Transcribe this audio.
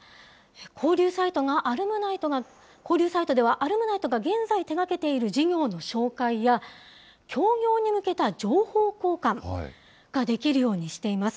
交流サイトでは、アルムナイが交流サイトではアルムナイが現在手がけている事業の紹介や、協業に向けた情報交換ができるようにしています。